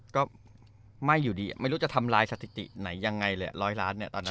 ก็ไม่อยู่ดีไม่รู้จะทำลายสถิติไหนยังไงเลย๑๐๐ล้านตอนนั้นน่ะ